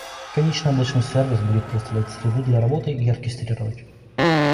Конечный облачный сервис, будет предоставлять среду для работы и оркестрировать.